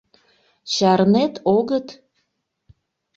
Чарнет-огыт?!